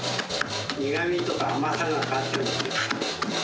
苦みとか甘さが変わるよね。